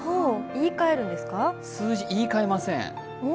数字言い換えません。